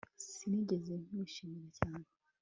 Sinigeze nkwishimira cyane